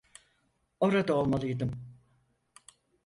Orada olmalıydım.